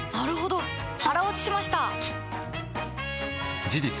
腹落ちしました！